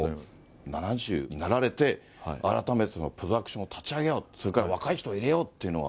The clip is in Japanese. ７０になられて、改めてそのプロダクションを立ち上げよう、それから若い人を入れようというのは。